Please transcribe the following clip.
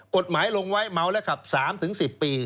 กฎหมายลงไว้เมาแล้วขับ๓๑๐ปี